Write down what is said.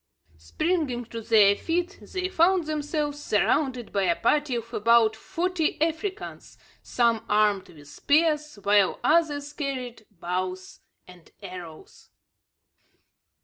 Springing to their feet they found themselves surrounded by a party of about forty Africans, some armed with spears, while others carried bows and arrows.